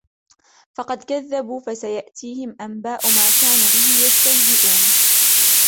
فقد كذبوا فسيأتيهم أنباء ما كانوا به يستهزئون